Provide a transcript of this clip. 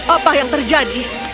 apa yang terjadi